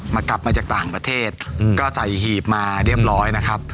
กลับมาจากต่างประเทศก็ใส่หีบมาเรียบร้อยนะครับ